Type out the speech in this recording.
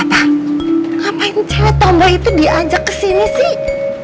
papa ngapain cetombo itu diajak kesini sih